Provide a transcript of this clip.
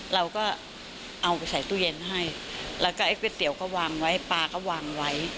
เราก็เอาไปใส่ตู้เย็นให้แล้วก็ไอ้ก๋วยเตี๋ยวก็วางไว้ปลาก็วางไว้